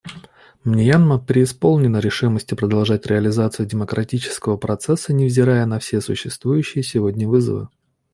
Мьянма преисполнена решимости продолжать реализацию демократического процесса, невзирая на все существующие сегодня вызовы.